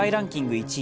１位